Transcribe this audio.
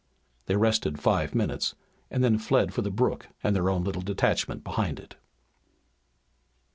They rested five minutes and then fled for the brook and their own little detachment behind it.